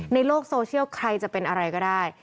ในโลกโซเชียลใครจะเป็นอะไรก็ได้